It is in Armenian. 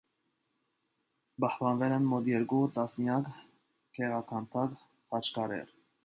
Պահպանվել են մոտ երկու տասնյակ գեղաքանդակ խաչքարեր։